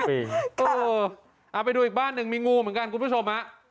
เอาไปดูอีกบ้านหนึ่งมีงูเหมือนกันคุณผู้ชมฮะ